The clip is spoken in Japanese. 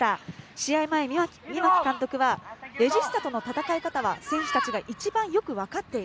試合前、御牧監督はレジスタとの戦い方は選手達が一番よく分かっている。